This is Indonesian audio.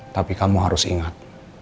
tapi kamu harus ingat